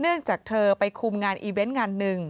เนื่องจากเธอไปฮุมงานอีเวนต์หนึ่ง